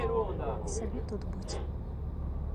І сабе тут будзь.